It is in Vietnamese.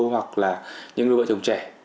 hoặc là những người vợ chồng trẻ